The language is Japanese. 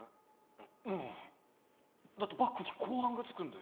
ううんだってバックに公安がつくんだよ